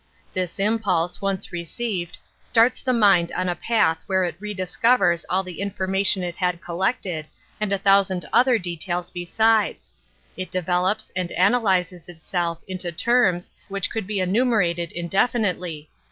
This impulse, once received, starts the mind on a path where it re discovers all the information it had col lected, and a thousand other details besides ; it develops aud analyzes itticlf into terms which could be enumerated indefinitely.